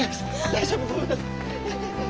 大丈夫ごめんなさい。